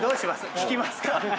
聞きますか？